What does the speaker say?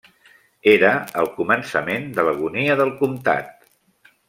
Era el començament de l'agonia del comtat.